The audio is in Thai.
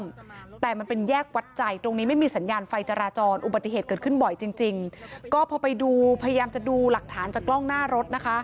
รถเก๋งของเธอไม่ติดกล้องหน้ารถ